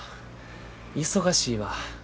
忙しいわ。